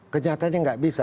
kenyataannya nggak bisa